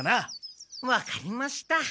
わかりました。